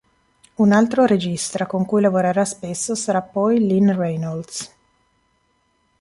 Un altro regista con cui lavorerà spesso, sarà poi Lynn Reynolds.